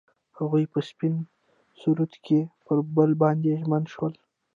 هغوی په سپین سرود کې پر بل باندې ژمن شول.